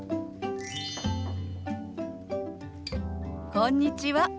こんにちは。